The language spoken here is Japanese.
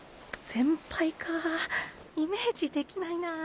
先輩かイメージできないな。